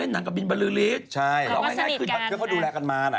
ช่วยเป็นจัดงาน